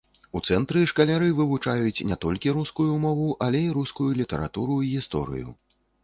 У цэнтры шкаляры вывучаюць не толькі рускую мову, але і рускую літаратуру і гісторыю.